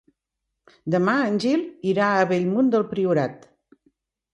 Demà en Gil irà a Bellmunt del Priorat.